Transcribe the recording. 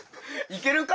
いけるか？